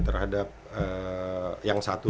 terhadap yang satu